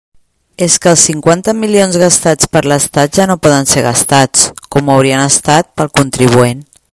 És que els cinquanta milions gastats per l'estat ja no poden ser gastats, com ho haurien estat, pel contribuent.